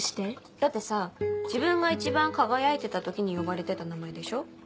だってさ自分が一番輝いてた時に呼ばれてた名前でしょ？